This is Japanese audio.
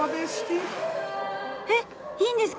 えっいいんですか？